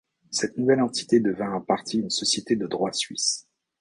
Cette nouvelle entité devint en partie une société de droit suisse.